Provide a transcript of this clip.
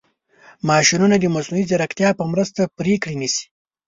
ماشینونه د مصنوعي ځیرکتیا په مرسته پرېکړې نیسي.